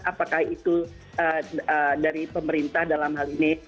apakah itu dari pemerintah dalam hal ini